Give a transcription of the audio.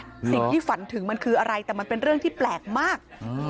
สิ่งที่ฝันถึงมันคืออะไรแต่มันเป็นเรื่องที่แปลกมาก